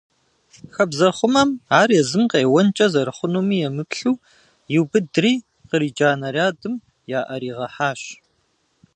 Хабзэхъумэм, ар езым къеуэнкӀэ зэрыхъунуми емыплъу, иубыдри, къриджа нарядым яӀэригъэхьащ.